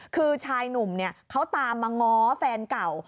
คือชายหนุ่มเขาตามมาง้อแฟนเก่า